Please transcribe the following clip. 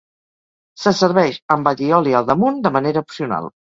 Se serveix amb allioli al damunt de manera opcional.